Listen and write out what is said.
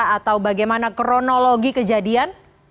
atau bagaimana kronologi kejadian